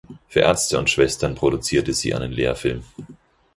Für Ärzte und Schwestern produzierte sie einen Lehrfilm.